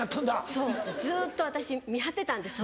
そうずっと私見張ってたんです